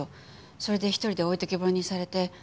それで１人で置いてけぼりにされて。